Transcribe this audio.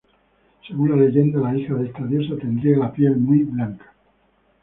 Según la leyenda, la hija de esta diosa tendría la piel muy blanca.